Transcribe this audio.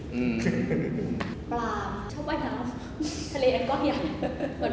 ชอบไปน้ำทะเลก็ก็อย่าง